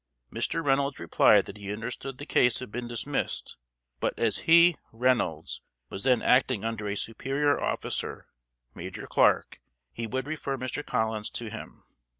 Mr. Reynolds replied that he understood the case had been dismissed; but as he (Reynolds) was then acting under a superior officer (Major Clark), he would refer Mr. Collins to him.